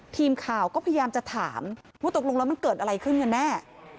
ทีมข่าวก็พยายามจะถามว่าตกลงแล้วมันเกิดอะไรขึ้นกันแน่